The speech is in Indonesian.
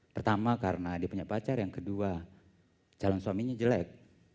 pertama karena dia punya pacar yang kedua calon suaminya jelek